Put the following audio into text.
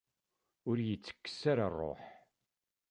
Ur iyi-ttekkes ara ṛṛuḥ.